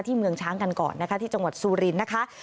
เมืองช้างกันก่อนนะคะที่จังหวัดสุรินทร์นะคะ